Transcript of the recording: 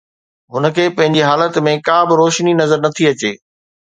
هن کي پنهنجي حالت ۾ ڪابه روشني نظر نٿي اچي.